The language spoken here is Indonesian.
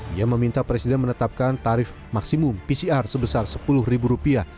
dia meminta presiden menetapkan tarif maksimum pcr sebesar sepuluh ribu rupiah